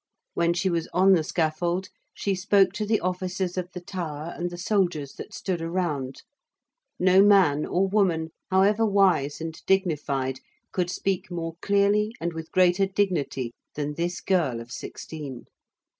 When she was on the scaffold she spoke to the officers of the Tower and the soldiers that stood around. No man or woman, however wise and dignified, could speak more clearly and with greater dignity than this girl of sixteen.